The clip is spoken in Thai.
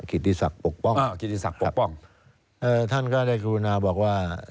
ขิตติศักดิ์ปกป้องครับท่านก็ได้คุณาบอกว่า